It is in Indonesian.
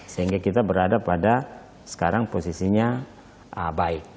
sehingga kita berada pada sekarang posisinya baik